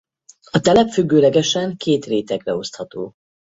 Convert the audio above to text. A telep függőlegesen két rétegre osztható.